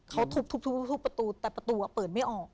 เขาทุบทุบทุบทุบประตูแต่ประตูอะเปิดไม่ออก